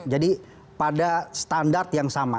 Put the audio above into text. jadi pada standar yang sama